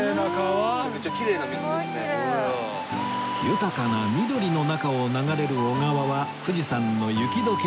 豊かな緑の中を流れる小川は富士山の雪解け水